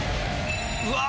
うわ